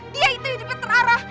dia itu hidupnya terarah